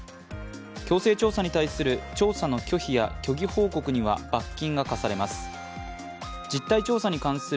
強制調査に対する調査の拒否や虚偽報告には罰金が科されます。